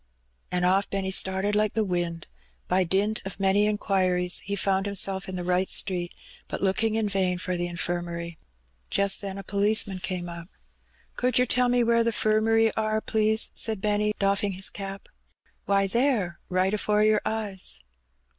And oflf Benny started, like the wind. By dint of many inquiries he found himself in the right street, but looking in vain for the Infirmary. Just then a policeman came up. "Could yer tell me where the 'firmary are, please?" said Benny, doffing his cap. "Why, there, right afore your eyes."